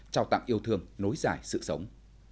chào tạng yêu thương nối dài sự sống